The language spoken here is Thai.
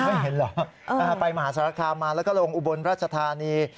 ไม่เห็นเหรอไปมหาสารคามมาแล้วก็ลงอุบลราชธานี